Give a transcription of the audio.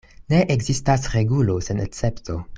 Ne ekzistas regulo sen escepto.